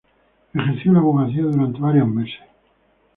Ejerció la abogacía durante varios meses.